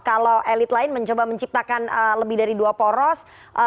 kalau elit lain mencoba menciptakan lebih dari dua poros